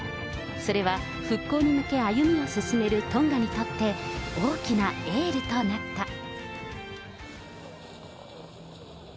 それは復興に向け歩みを進めるトンガにとって、大きなエールとなった。